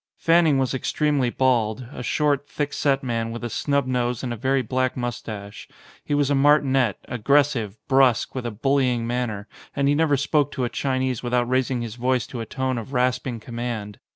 Fanning was extremely bald, a short, thickset man, with a snub nose and a very black moustache. He was a martinet, aggressive, brusque, with a bullying manner ; and he never spoke to a Chinese without raising his voice to a tone of rasping command.